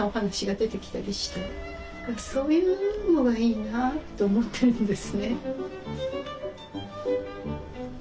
そういうのがいいなと思ってるんですね。